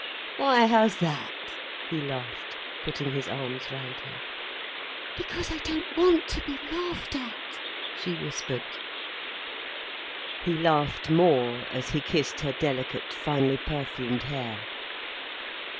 "Why how's that?" he laughed, putting his arms round her. "Because I don't want to be laughed at," she whispered. He laughed more, as he kissed her delicate, finely perfumed hair.